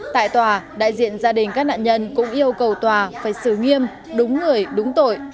tại tòa đại diện gia đình các nạn nhân cũng yêu cầu tòa phải xử nghiêm đúng người đúng tội